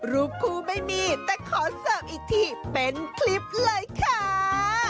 รูปคู่ไม่มีแต่ขอเสิร์ฟอีกทีเป็นคลิปเลยค่ะ